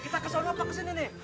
kita kesana apa kesini nih